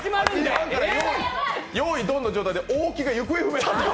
よーいどんの状態で、大木が行方不明。